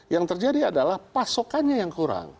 yang terjadi adalah pasokannya yang kurang